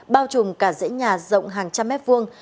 bao trùm cả dãy nhà rộng hàng trăm mét vuông